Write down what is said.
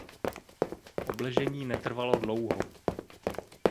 Obležení netrvalo dlouho.